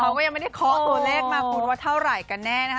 เขาก็ยังไม่ได้เคาะตัวเลขมาคุณว่าเท่าไหร่กันแน่นะคะ